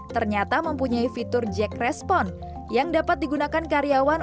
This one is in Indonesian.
ternyata mempunyai fitur jack respon yang dapat digunakan karyawan